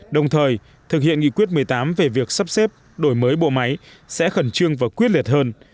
đồng thời thực hiện nghị quyết một mươi tám về việc sắp xếp đổi mới bộ máy sẽ khẩn trương và quyết liệt hơn